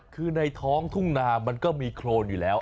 คือในท้องทุ่งนามันก็มีโครนอยู่แล้ว